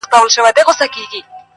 چي هر څو به ښکاري زرک وکړې ککړي -